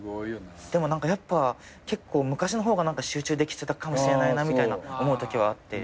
でもやっぱ結構昔の方が集中できてたかもしれないと思うときはあって。